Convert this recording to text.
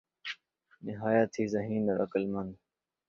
نہایت ہی ذہین اور عقل مند